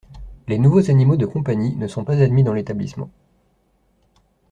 Les nouveaux animaux de compagnie ne sont pas admis dans l’établissement.